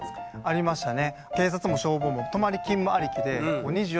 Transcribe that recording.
ありましたね。